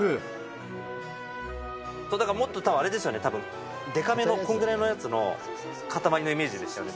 なんかもっとたぶん、あれですよね、たぶん、でかめの、こんぐらいのやつの塊のイメージでしたよね、